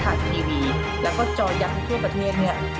ทางทีวีแล้วก็จอยังทุกประเทศ